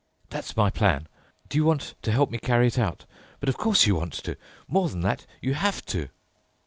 That's my plan. Do you want to help me carry it out? But, of course, you want to. More than that—you have to."